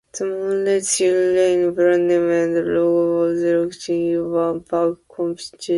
The monorail's "Yui Rail" brand name and logo were selected in a public competition.